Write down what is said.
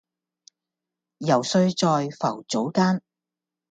揉碎在浮藻間